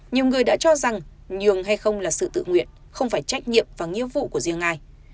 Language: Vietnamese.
nhiều người đã cho rằng nhường hay không là sự tự nguyện không phải trách nhiệm và nghĩa vụ của riêng ai